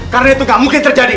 karena itu gak mungkin terjadi